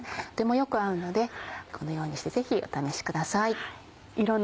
とてもよく合うのでこのようにしてぜひお試しください。